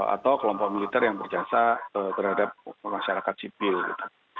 atau kelompok militer yang berjasa terhadap masyarakat sipil gitu